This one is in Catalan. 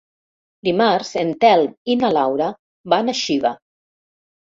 Dimarts en Telm i na Laura van a Xiva.